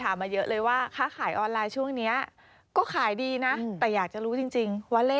ที่จะทำให้สนับสนุนให้การขายออนไลน์ช่วงนี้ก็ขายดีนะแต่อยากจะรู้จริง